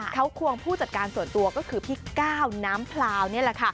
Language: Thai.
เขาควงผู้จัดการส่วนตัวก็คือพี่ก้าวน้ำพลาวนี่แหละค่ะ